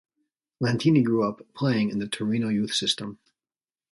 Lentini grew up playing in the Torino youth system.